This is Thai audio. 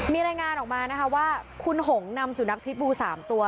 มีรายงานออกมาว่าคุณหงนำสู่นักธิบูร์๓ตัว